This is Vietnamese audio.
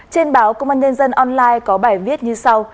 trên báo công an nhân dân online có bài viết như sau